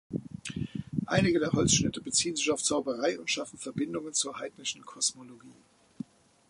Einige der Holzschnitte beziehen sich auf Zauberei und schaffen Verbindungen zur heidnischen Kosmologie.